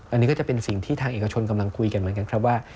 อันนี้ก็จะเป็นสิ่งที่ทางเอกชนกำลังคุยกันเหมือนกันครับว่า